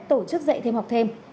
tổ chức dạy thêm học thêm